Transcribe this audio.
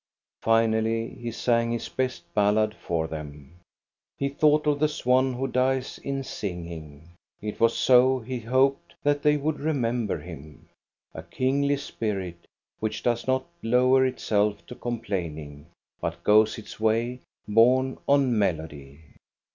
Finally he sang his best ballad for them. He thought of the swan, who dies in singing. It was so, he hoped, that they would remember him, — a kingly spirit, which does not lower itself to com plaining, but goes its way, borne on melody.